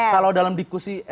kalau dalam diskusi